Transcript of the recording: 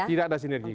tidak ada sinergi